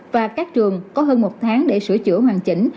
và các trường có hơn một tháng để sửa chữa hoàn chỉnh